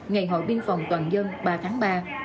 ngày hội biên phòng toàn dân ba tháng ba